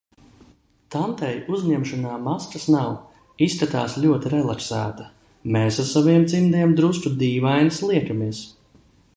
Tantei uzņemšanā maskas nav, izskatās ļoti relaksēta, mēs ar saviem cimdiem drusku dīvainas liekamies.